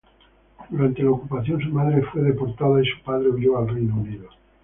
Durante la Ocupación, su madre fue deportada, y su padre huyó al Reino Unido.